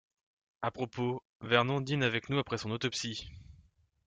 À propos, Vernon dîne avec nous après son autopsie.